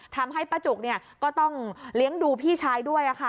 ทำให้ป้าจุกก็ต้องเลี้ยงดูพี่ชายด้วย